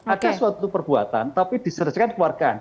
ada suatu perbuatan tapi diselesaikan keluarga